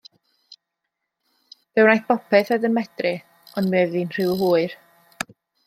Fe wnaeth bopeth oedd yn medru, ond mi oedd hi'n rhy hwyr.